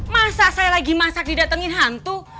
masa saya lagi masak didatengin hantu